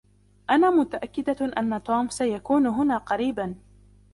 أنا متأكدة أن توم سيكون هنا قريباً.